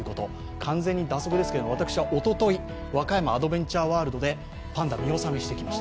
完全に蛇足ですけれども、私はおととい、和歌山アドベンチャーワールドでパンダ、見納めしてきました。